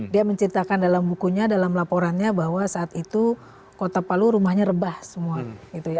dia menceritakan dalam bukunya dalam laporannya bahwa saat itu kota palu rumahnya rebah semua gitu ya